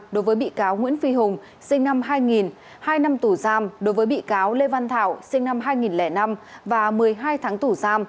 đối với bị cáo nguyễn phi hùng sinh năm hai nghìn hai năm tù giam đối với bị cáo lê văn thảo sinh năm hai nghìn năm và một mươi hai tháng tủ giam